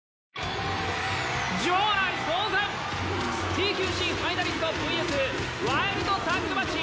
ＴＱＣファイナリストＶＳワイルドタッグマッチ！